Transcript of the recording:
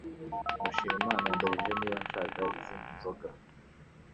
Mushimiyimana yambajije niba nshaka izindi nzoga.